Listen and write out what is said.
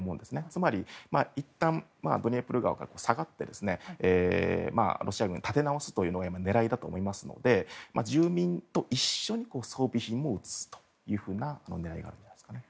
つまりいったんドニエプル川から下がってロシア軍を立て直すというのが狙いだと思いますので住民と一緒に装備品も移すというような意味合いがあるんですね。